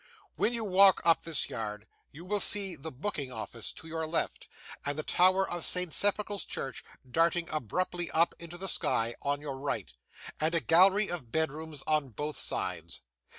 When you walk up this yard, you will see the booking office on your left, and the tower of St Sepulchre's church, darting abruptly up into the sky, on your right, and a gallery of bedrooms on both sides.